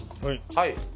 はい。